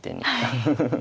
フフフフフ。